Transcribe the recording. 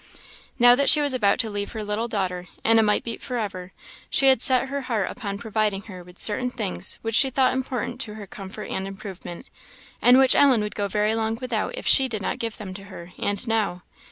Now that she was about to leave her little daughter, and it might be for ever, she had set her heart upon providing her with certain things which she thought important to her comfort and improvement, and which Ellen would go very long without if she did not give them to her, and now.